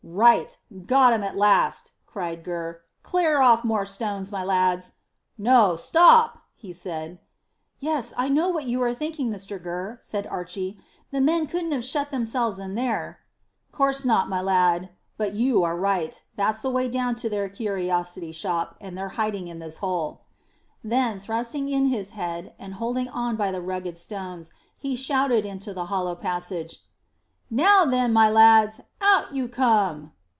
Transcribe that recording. "Right! Got 'em at last," cried Gurr. "Clear off more stones, my lads. No; stop!" he said. "Yes, I know what you are thinking, Mr Gurr," said Archy. "The men couldn't have shut themselves in there." "Course not, my lad. But you are right, that's the way down to their curiosity shop, and they're hiding in this hole here." Then, thrusting in his head, and holding on by the rugged stones, he shouted into the hollow passage, "Now then, my lads, out you come!"